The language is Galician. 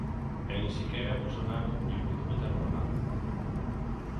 E nin sequera Bolsonaro lle puido botar unha man.